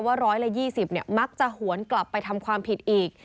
ว่า๑๒๐มักจะหวนกลับไปทำความผิดอีก